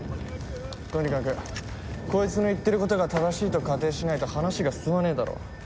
とにかくこいつの言ってることが正しいと仮定しないと話が進まねえだろ。